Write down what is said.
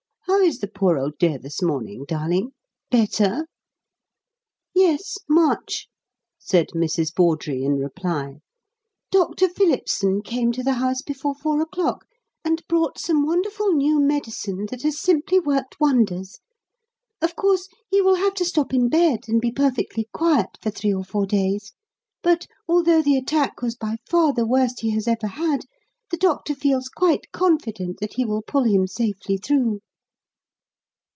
How is the poor old dear this morning, darling? Better?" "Yes much," said Mrs. Bawdrey, in reply. "Doctor Phillipson came to the house before four o'clock, and brought some wonderful new medicine that has simply worked wonders. Of course, he will have to stop in bed and be perfectly quiet for three or four days; but, although the attack was by far the worst he has ever had, the doctor feels quite confident that he will pull him safely through."